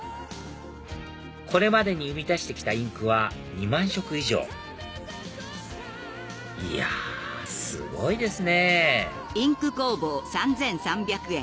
これまでに生み出して来たインクは２万色以上いやすごいですね